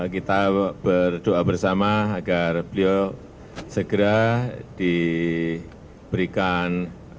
kita berdoa bersama agar beliau segera diberikan